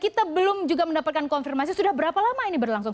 kita belum juga mendapatkan konfirmasi sudah berapa lama ini berlangsung